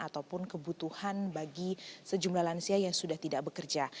ataupun kebutuhan bagi sejumlah lansia yang sudah tidak bekerja